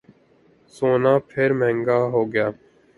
سونا پھر مہنگا ہوگیا